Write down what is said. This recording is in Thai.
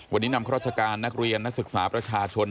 วันนี้นำข้าราชการนักเรียนนักศึกษาประชาชน